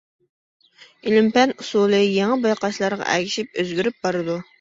ئىلىم-پەن ئۇسۇلى يېڭى بايقاشلارغا ئەگىشىپ ئۆزگىرىپ بارىدۇ.